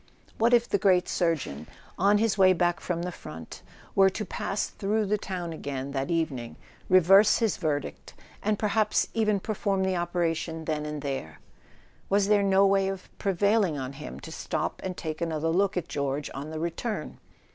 What if the great surgeon, on his way back from the front, were to pass through the town again that evening, reverse his verdict, and perhaps even perform the operation then and there? Was there no way of prevailing on him to stop and take another look at George on the return